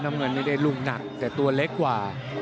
น้ำเงินนี่ได้ลูกหนักแต่ตัวเล็กกว่า